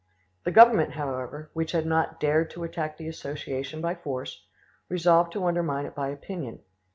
The Government, however, which had not 'dared to attack the Association by force, resolved to undermine it by opinion.